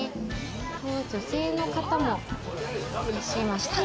女性の方も、いらっしゃいました。